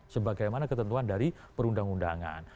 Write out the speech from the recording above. sebagaimana ketentuan dari perundang undangan